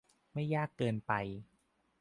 ไม่ยากเกินไป